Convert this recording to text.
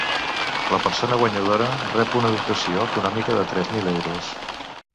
La persona guanyadora rep una dotació econòmica de tres mil euros.